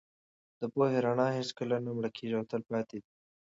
د پوهې رڼا هېڅکله نه مړکېږي او تل پاتې ده.